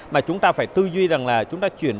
mà chúng ta phải tư duy rằng là chúng ta chuyển